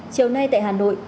chiều nay tại hà nội